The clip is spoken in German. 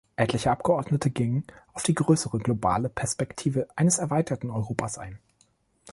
Etliche Abgeordnete gingen auf die größere globale Perspektive eines erweiterten Europas ein.